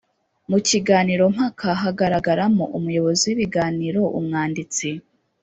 Mu kiganiro mpaka hagaragaramo umuyobozi w’ibiganiro, umwanditsi,